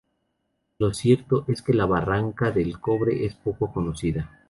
Lo cierto es que la barranca del Cobre es poco conocida.